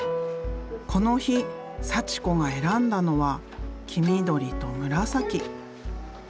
この日祥子が選んだのは黄緑と紫。